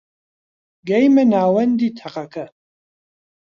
گەیمە ناوەندی تەقەکە